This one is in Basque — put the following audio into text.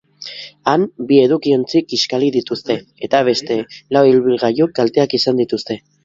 Han bi edukiontzi kiskali dituzte, eta beste lau ibilgailuk kalteak izan dituzte.